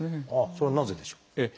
それはなぜでしょう？